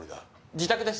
自宅です。